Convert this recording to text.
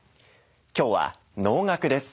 今日は能楽です。